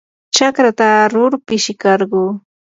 chakrata arur pishikarquu.